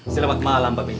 selamat malam pak benny